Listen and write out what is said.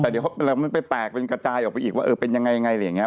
แต่เดี๋ยวมันไปแตกเป็นกระจายออกไปอีกว่าเออเป็นยังไงอะไรอย่างนี้